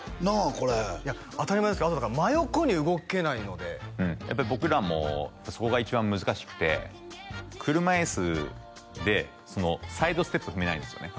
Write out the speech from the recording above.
これいや当たり前ですけどあとだから真横に動けないのでうんやっぱり僕らもそこが一番難しくて車いすでサイドステップ踏めないんですよね